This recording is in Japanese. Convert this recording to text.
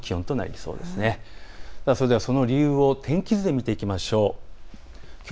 それでは、その理由を天気図で見ていきましょう。